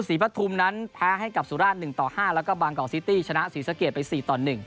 ปฐุมนั้นแพ้ให้กับสุราช๑ต่อ๕แล้วก็บางกอกซิตี้ชนะศรีสะเกดไป๔ต่อ๑